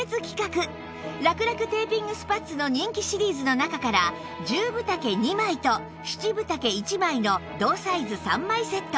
らくらくテーピングスパッツの人気シリーズの中から１０分丈２枚と７分丈１枚の同サイズ３枚セット